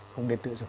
không nên tự dùng